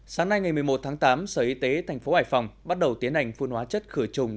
sáng nay ngày một mươi một tháng tám sở y tế tp hải phòng bắt đầu tiến hành phun hóa chất khử trùng